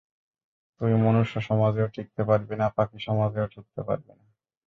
তুই মনুষ্য সমাজেও টিকতে পারবি না, পাখি সমাজেও ঢুকতে পারবি না।